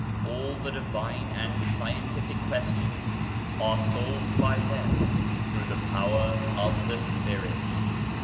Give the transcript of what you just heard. All the divine and scientific questions are solved by them through the power of the spirit.